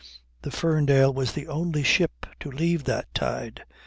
The Ferndale was the only ship to leave that tide.